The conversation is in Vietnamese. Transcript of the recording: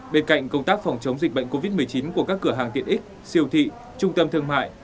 bên cạnh công tác phòng chống dịch bệnh covid một mươi chín của các cửa hàng tiện ích siêu thị trung tâm thương mại